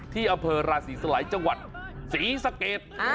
ที่อำเภอราศีสลัยจังหวัดศรีสะเกด